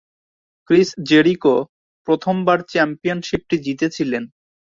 Chris Jericho প্রথমবার চ্যাম্পিয়নশিপটি জিতেছিলেন।